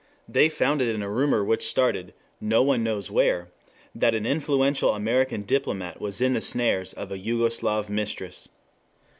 They found it in a rumor which started, no one knows where, that an influential American diplomat was in the snares of a Jugoslav mistress.